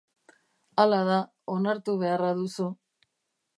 Hala da, onartu beharra duzu.